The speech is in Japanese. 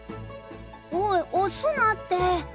おい押すなって。